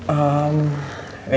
kak aku pamit ya